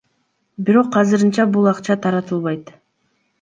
Бирок азырынча бул акча таратылбайт.